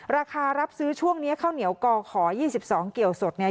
ราคารับซื้อช่วงนี้ข้าวเหนียวกขอ๒๒เกี่ยวสดเนี่ย